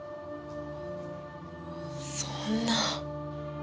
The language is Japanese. そんな。